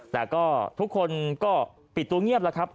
แต่ก็ทุกคนก็ปิดตัวเงียบแล้วครับ